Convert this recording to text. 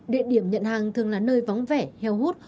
địa điểm nhận hàng thường là nơi vắng vẻ heo hút